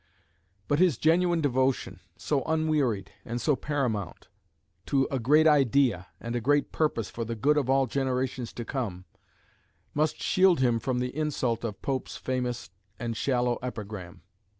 But his genuine devotion, so unwearied and so paramount, to a great idea and a great purpose for the good of all generations to come, must shield him from the insult of Pope's famous and shallow epigram.